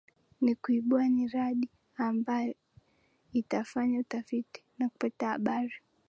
ni kuibua niradi ambayo itafanya utafiti na kupata habari